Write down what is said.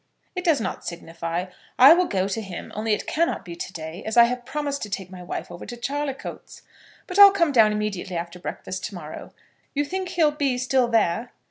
"It does not signify. I will go to him; only it cannot be to day, as I have promised to take my wife over to Charlicoats. But I'll come down immediately after breakfast to morrow. You think he'll be still there?"